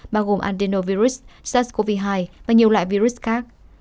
bao gồm andenovirus sars cov hai và nhiều loại virus khác